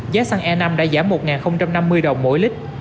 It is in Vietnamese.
giá xăng e năm đã giảm một năm mươi đồng mỗi lít